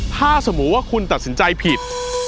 ถ้าสมมุติว่าคุณตัดสินใจผิด